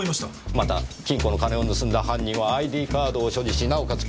また金庫の金を盗んだ犯人はＩＤカードを所持しなおかつ